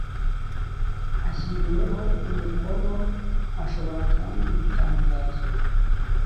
ashyiriweho umukono Ashobora kandi gutangazwa